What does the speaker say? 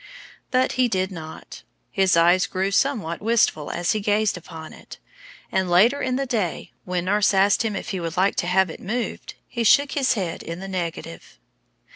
But he did not. His eyes grew somewhat wistful as he gazed upon it, and later in the day, when nurse asked him if he would like to have it removed, he shook his head in the negative.